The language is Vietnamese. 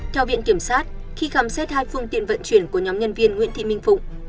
theo viện kiểm sát khi khám xét hai phương tiện vận chuyển của nhóm nhân viên nguyễn thị minh phụng